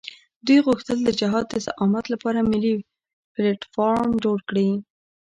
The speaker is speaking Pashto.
دوی غوښتل د جهاد د زعامت لپاره ملي پلټفارم جوړ کړي.